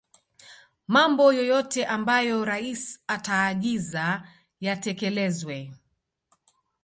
Mambo yoyote ambayo rais ataagiza yatekelezwe